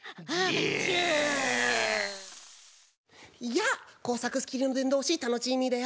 やあこうさくスキルのでんどうしタノチーミーだよ。